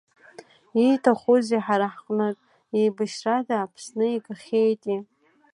Ииҭахузеи ҳара ҳҟнытә, еибашьрада Аԥсны игахьеитеи!